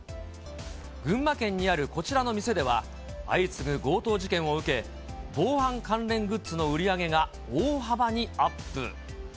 群馬県にあるこちらの店では、相次ぐ強盗事件を受け、防犯関連グッズの売り上げが大幅にアップ。